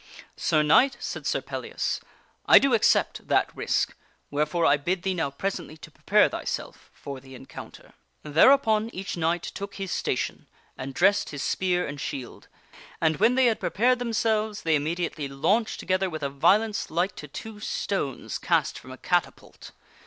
" Sir Knight," said Sir Pellias, " I do accept that risk, wherefore I bid thee now presently to prepare thyself for the encounter." Thereupon each knight took his station and dressed his spear and shield. And when they had prepared themselves, they immediately launched to gether with a violence like to two stones cast from a catapult.